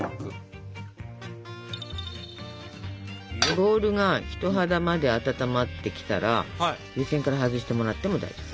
ボウルが人肌まで温まってきたら湯せんから外してもらっても大丈夫。